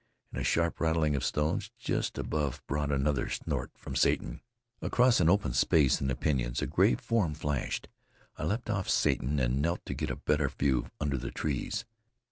And a sharp rattling of stones just above brought another snort from Satan. Across an open space in the pinyons a gray form flashed. I leaped off Satan and knelt to get a better view under the trees.